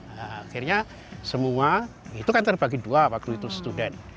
akhirnya semua itu kan terbagi dua waktu itu student